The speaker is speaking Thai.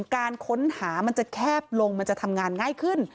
การค้นหามันจะแคบลงมันจะทำงานง่ายขึ้น